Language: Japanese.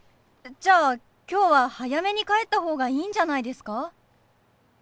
じゃあ今日は早めに帰った方がいいんじゃないですか？